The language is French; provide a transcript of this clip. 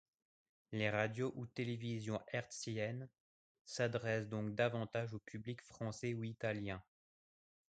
Les radios ou télévisions hertziennes s’adressent donc davantage aux publics français ou italien.